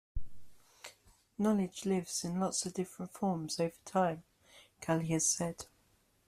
"Knowledge lives in lots of different forms over time," Kahle has said.